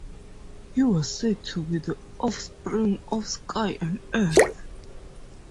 He was said to be the offspring of Sky and Earth.